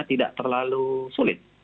tidak terlalu sulit